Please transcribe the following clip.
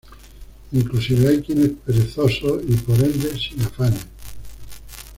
Inclusive hay quienes perezosos, y por ende sin afanes